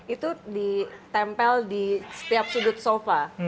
itu ditempel di setiap sudut sofa